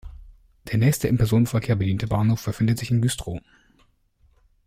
Der nächste im Personenverkehr bediente Bahnhof befindet sich in Güstrow.